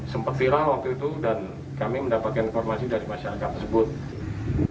sempat viral waktu itu dan kami mendapatkan informasi dari masyarakat tersebut